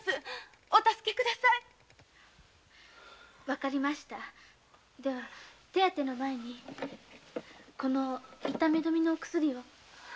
わかりましたでは手当ての前にこの痛みどめのお薬を。